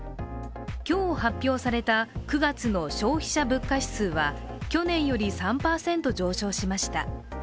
今日発表された９月の消費者物価指数は去年より３％上昇しました。